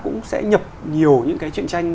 cũng sẽ nhập nhiều những cái chuyện tranh